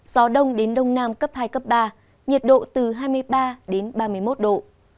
gió đông đến đông nam cấp hai cấp ba nhiệt độ từ hai mươi ba đến ba mươi một độ